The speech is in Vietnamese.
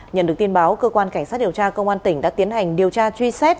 nhận được tin báo cơ quan cảnh sát điều tra công an tỉnh đã tiến hành điều tra truy xét